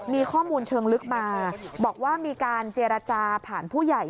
มีข้อมูลเชิงลึกมาบอกว่ามีการเจรจาผ่านผู้ใหญ่